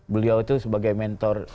beliau itu sebagai mentor